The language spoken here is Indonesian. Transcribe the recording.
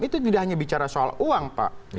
itu tidak hanya bicara soal uang pak